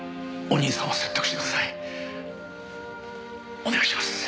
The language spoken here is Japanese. お願いします。